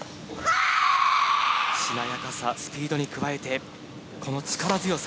しなやかさ、スピードに加えてこの力強さ。